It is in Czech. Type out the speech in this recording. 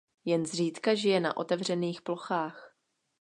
Jen zřídka žije na otevřených plochách.